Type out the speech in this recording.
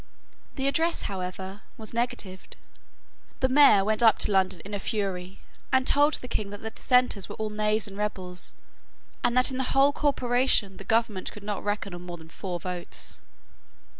The address, however, was negatived. The mayor went up to London in a fury, and told the king that the Dissenters were all knaves and rebels, and that in the whole corporation the government could not reckon on more than four votes.